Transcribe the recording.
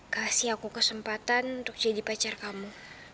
kasih aku kesempatan untuk jadi pacar kamu